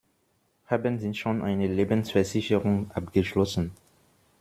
Haben Sie schon eine Lebensversicherung abgeschlossen?